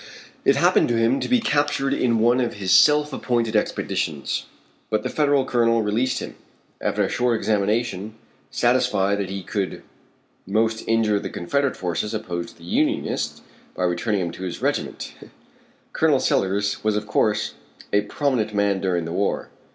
It happened to him to be captured in one of his self appointed expeditions, but the federal colonel released him, after a short examination, satisfied that he could most injure the confederate forces opposed to the Unionists by returning him to his regiment. Col. Sellers was of course a prominent man during the war.